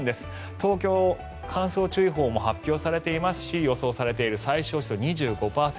東京、乾燥注意報も発表されていますし予想されている最小湿度２５％。